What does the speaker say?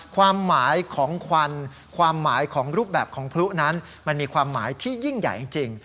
ความหมายของควันความหมายของรูปแบบของพลุนั้นมันมีความหมายที่ยิ่งใหญ่จริง